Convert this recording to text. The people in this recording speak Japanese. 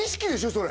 それ。